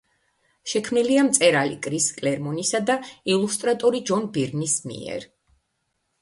შექმნილია მწერალი კრის კლერმონისა და ილუსტრატორი ჯონ ბირნის მიერ.